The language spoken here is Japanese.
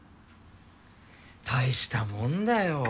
大したもんだよ。